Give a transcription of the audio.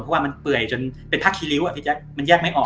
เพราะว่ามันเปื่อยจนเป็นผ้าคีริ้วพี่แจ๊คมันแยกไม่ออก